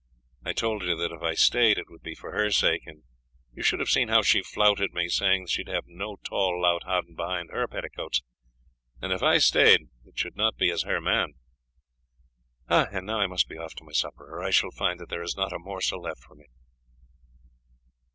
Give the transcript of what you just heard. I told her that if I stayed it would be for her sake, and you should have seen how she flouted me, saying that she would have no tall lout hiding behind her petticoats, and that if I stayed, it should not be as her man. And now I must be off to my supper, or I shall find that there is not a morsel left for me."